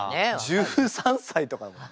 １３歳とかだもんね。